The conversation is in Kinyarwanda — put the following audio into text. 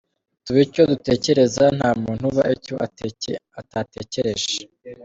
Tuba icyo dutekereza, nta muntu uba icyo atatekereje.